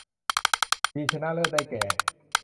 ทีมชนะเลิศได้แก่